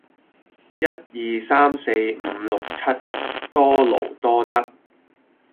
一二三四五六七，多勞多得